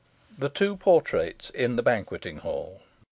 THE TWO PORTRAITS IN THE BANQUETING HALL.